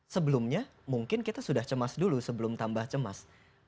sebelumnya mungkin kita sudah cemas dulu sebelum tambah cemas